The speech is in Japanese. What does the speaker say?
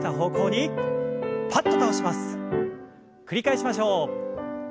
繰り返しましょう。